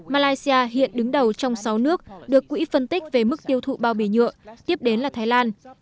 malaysia hiện đứng đầu trong sáu nước được quỹ phân tích về mức tiêu thụ bao bì nhựa tiếp đến là thái lan